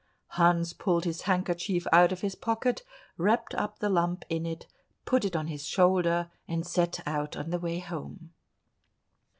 Hans pulled his handkerchief out of his pocket, wrapped up the lump in it, put it on his shoulder, and set out on the way home.